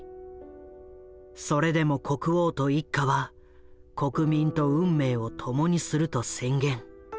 それでも国王と一家は国民と運命を共にすると宣言。